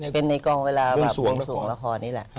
เป็นในกองเวลาแบบวงสวงละครนี่แหละ